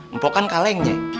empok kan kalengnya